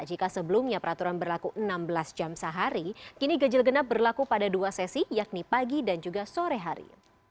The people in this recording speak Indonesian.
jika sebelumnya peraturan berlaku enam belas jam sehari kini ganjil genap berlaku pada dua sesi yakni pagi dan juga sore hari